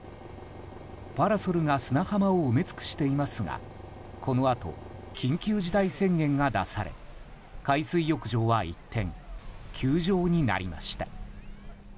パラソルが砂浜を埋め尽くしていますがこのあと緊急事態宣言が出され海水浴場は一転休場になりました。